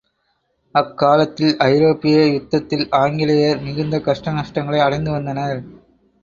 அக் காலத்தில் ஐரோப்பிய யுத்தத்தில் ஆங்கிலேயர் மிகுந்த கஷ்ட நஷ்டங்களை அடைந்து வந்தனர்.